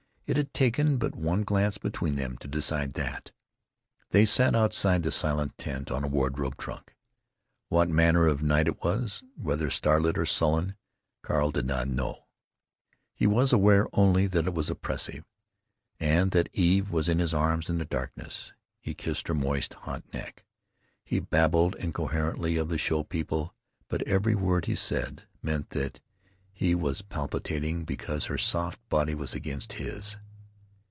It had taken but one glance between them to decide that. They sat outside the silent tent, on a wardrobe trunk. What manner of night it was, whether starlit or sullen, Carl did not know; he was aware only that it was oppressive, and that Eve was in his arms in the darkness. He kissed her moist, hot neck. He babbled incoherently of the show people, but every word he said meant that he was palpitating because her soft body was against his.